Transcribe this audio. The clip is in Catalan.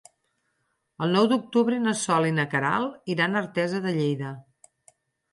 El nou d'octubre na Sol i na Queralt iran a Artesa de Lleida.